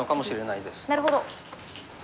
なるほど。